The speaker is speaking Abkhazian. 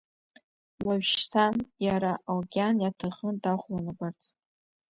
Уажәшьҭа иара аокеан иаҭахын дахәланагәарц.